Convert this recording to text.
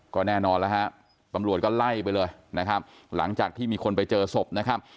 ก็แน่นอนแล้วฮะตำรวจก็ไล่ไปเลยนะครับหลังจากที่มีคนไปเจอศพนะครับ